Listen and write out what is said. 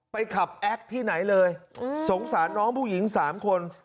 ขับแอ๊กที่ไหนเลยสงสารน้องผู้หญิง๓คน